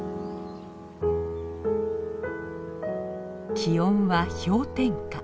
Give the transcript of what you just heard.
気温は氷点下。